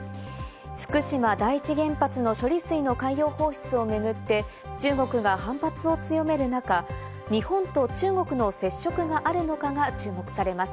福島第一原発の処理水の海洋放出を巡って中国が反発を強める中、日本と中国の接触があるのかが注目されます。